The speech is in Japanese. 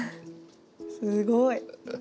すごい。